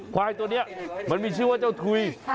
ควายตัวนี้มันมีชื่อว่าเจ้าถุย